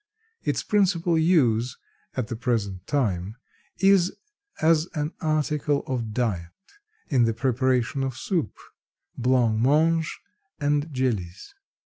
Its principal use at the present time is as an article of diet, in the preparation of soup, blanc mange and jellies.